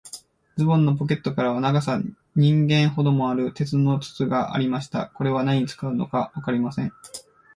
ズボンのポケットからは、長さ人間ほどもある、鉄の筒がありました。これは何に使うのかわかりません。